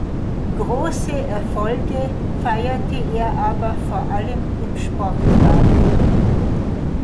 Große Erfolge feierte er aber vor allem im Sportwagen.